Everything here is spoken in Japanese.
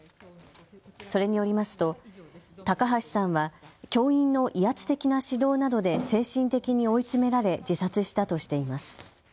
それによりますと高橋さんは教員の威圧的な指導などで精神的に追い詰められ自殺したとしています。